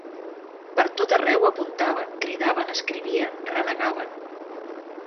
Per tot-arreu apuntaven, cridaven, escrivien, renegaven